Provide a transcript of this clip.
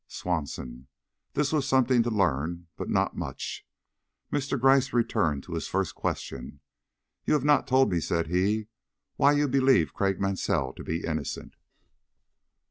Swanson! This was something to learn, but not much. Mr. Gryce returned to his first question. "You have not told me," said he, "why you believe Craik Mansell to be innocent?"